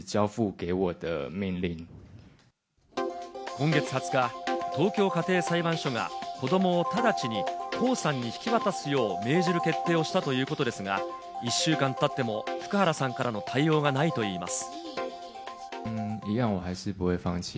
今月２０日、東京家庭裁判所が子どもを直ちにコウさんに引き渡すよう命じる決定をしたということですが、１週間経っても福原さんから対応がないといいます。